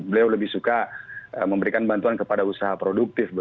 beliau lebih suka memberikan bantuan kepada usaha produktif